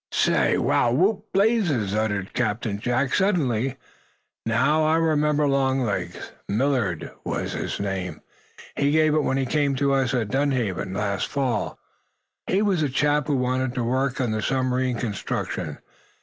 "Say! Wow! Whoop! Blazes!" uttered Captain Jack, suddenly. "Now, I remember Long legs! Millard was the name he gave when he came to us, at Dunhaven, last Fall. He was the chap who wanted to work on the submarine construction.